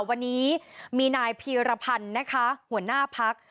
วันนี้มีนายพีรพันธุ์หัวหน้าพักษ์